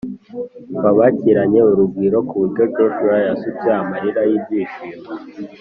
babakiranye urugwiro ku buryo Joshua yasutse amarira y’ibyishimo